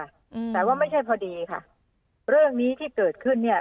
อืมแต่ว่าไม่ใช่พอดีค่ะเรื่องนี้ที่เกิดขึ้นเนี้ย